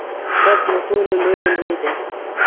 رب له ټولو لویو لوی دئ.